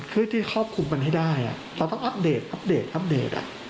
เพื่อที่ครอบคลุมมันให้ได้เราต้องอัปเดตอัปเดตอัปเดต